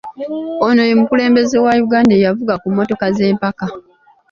Ono ye mukulembeze wa Uganda eyavuga ku mmotoka z’empaka.